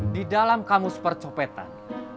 di dalam kamus percopetan